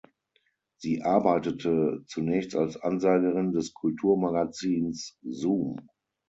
Sie arbeitete zunächst als Ansagerin des Kulturmagazins "Zoom".